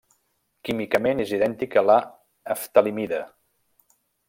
Químicament és idèntic a la ftalimida.